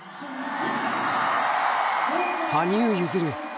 羽生結弦